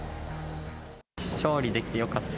勝利でできてよかった。